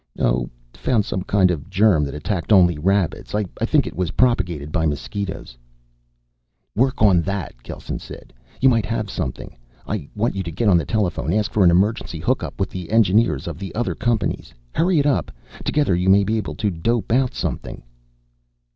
"Oh, found some kind of germ that attacked only rabbits. I think it was propagated by mosquitos " "Work on that," Gelsen said. "You might have something. I want you to get on the telephone, ask for an emergency hookup with the engineers of the other companies. Hurry it up. Together you may be able to dope out something."